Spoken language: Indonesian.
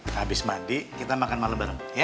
habis mandi kita makan malam bareng